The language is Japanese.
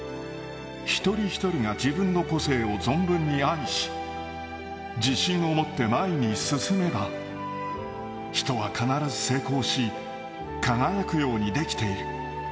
一人一人が自分の個性を存分に愛し、自信を持って前に進めば、人は必ず成功し、輝くようにできている。